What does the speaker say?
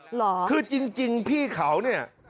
เหรอคือจริงพี่เขาเนี่ย